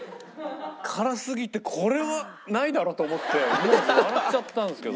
辛すぎて「これはないだろ」と思って思わず笑っちゃったんですけど。